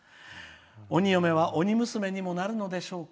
鬼嫁は鬼娘にもなるんでしょうか。